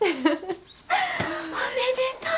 おめでとう！